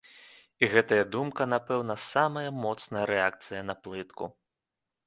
І гэтая думка, напэўна, самая моцная рэакцыя на плытку.